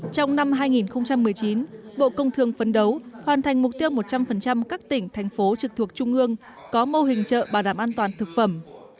trong năm hai nghìn một mươi chín bộ công thương phấn đấu hoàn thành mục tiêu một trăm linh các tỉnh thành phố trực thuộc trung ương có mô hình chợ bảo đảm an toàn thực phẩm